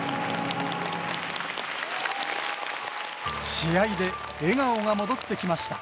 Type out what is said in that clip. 試合で笑顔が戻ってきました。